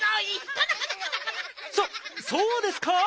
そっそうですか？